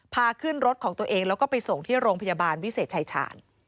พาขึ้นรถของตัวเองแล้วก็ไปส่งที่โรงพยาบาลวิเศษชายชาญ